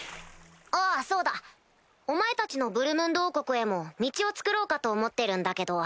あぁそうだお前たちのブルムンド王国へも道を造ろうかと思ってるんだけど。